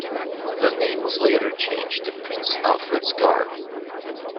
The name was later changed to "Prince Alfred's Guard".